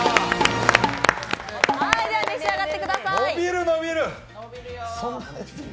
では召し上がってください。